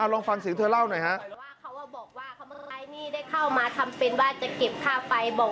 ลองฟังสิ่งเธอเล่าหน่อยครับ